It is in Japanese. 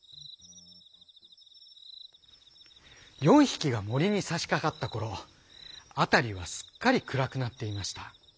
４匹が森にさしかかった頃辺りはすっかり暗くなっていました。